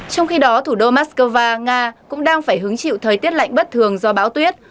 trong khi đó thủ đô moscow nga cũng đang phải hứng chịu thời tiết lạnh bất thường do bão tuyết